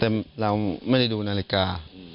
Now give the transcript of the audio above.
แต่เราไม่ได้ดูนาฬิกา